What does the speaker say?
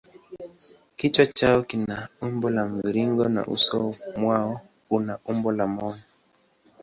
Kichwa chao kina umbo la mviringo na uso mwao una umbo la moyo.